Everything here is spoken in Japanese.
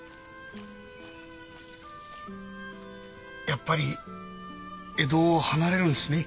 やっぱり江戸を離れるんですね。